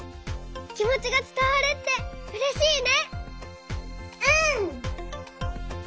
きもちがつたわるってうれしいね！